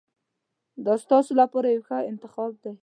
دا ستاسو لپاره یو ښه انتخاب دی.